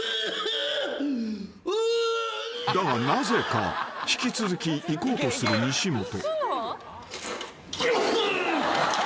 ［だがなぜか引き続きいこうとする西本］